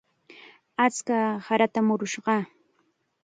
Achka saratam muruyaashaq.